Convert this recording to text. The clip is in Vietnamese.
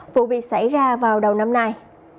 vụ việc xảy ra vào đầu năm nay